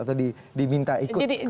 atau diminta ikut ke polisian